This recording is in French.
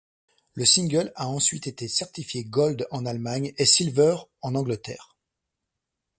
Le single a ensuite été certifié gold en Allemagne et silver au Angleterre.